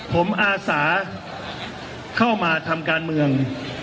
ผมอาสาเข้ามาทำการเมือง